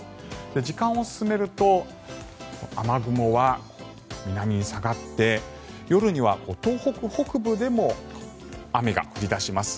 時間を進めると雨雲は南に下がって夜には東北北部でも雨が降り出します。